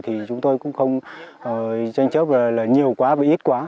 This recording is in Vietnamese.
thì chúng tôi cũng không tranh chấp về là nhiều quá và ít quá